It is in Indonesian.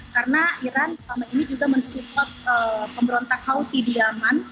karena iran selama ini juga mensupport pemberontak hauti di yemen